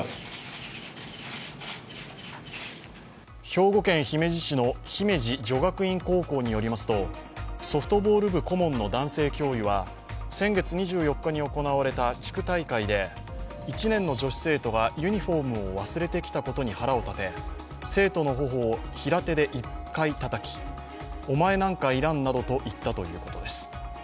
兵庫県姫路市の姫路女学院高校によりますと、ソフトボール部顧問の男性教諭は先月２４日に行われた地区大会で１年の女子生徒がユニフォームを忘れてきたことに腹を立て、生徒の頬を平手で１回たたき、お前なんかいらんなどと言ったということです。